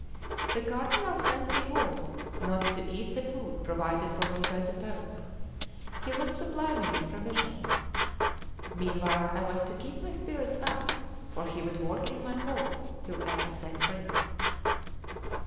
The Cardinal sent me word not to eat the food provided for me by the Pope; he would supply me with provisions; meanwhile I was to keep my spirits up, for he would work in my cause till I was set free.